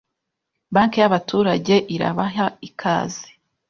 banki y'abaturage irabaha ikaze